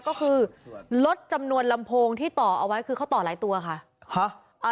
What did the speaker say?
ก็คือลดจำนวนลำโพงที่ต่อเอาไว้คือเขาต่อหลายตัวค่ะ